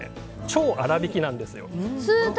超粗びきなんですよ。